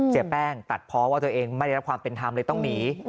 เสียแป้งตัดเพราะว่าตัวเองไม่ได้รับความเป็นธรรมเลยต้องหนี